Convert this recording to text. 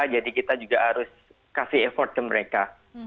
jadi kita juga harus kasih effort ke mereka